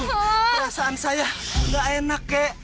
perasaan saya nggak enak kek